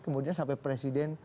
kemudian sampai presiden